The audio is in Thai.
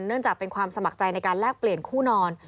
เนื่องจากเป็นความสมัครใจในการแลกเปลี่ยนคู่นอน